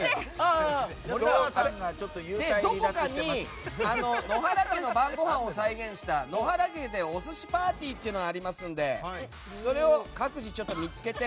どこかに野原家の晩ごはんを再現した野原家でお寿司パーティーっていうのがありますんでそれを各自、見つけて。